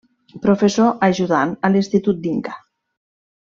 Professor ajudant a l'Institut d'Inca.